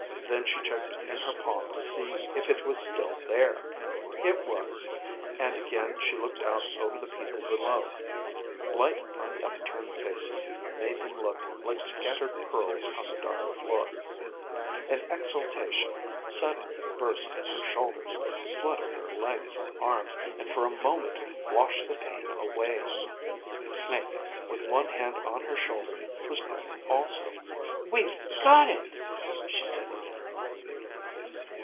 Then she checked in her palm to see if it was still there; it was, and again she looked out over the people below. Light on the up turned faces made them look like scattered pearls on the dark floor. An exaltation suddenly burst in her shoulders, flooded her legs and arms and for a moment washed the pain away. Snake, with one hand on her shoulder, was grinning also. "We've got it!" she said again.